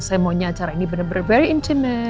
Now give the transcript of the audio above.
saya maunya acara ini benar benar intimate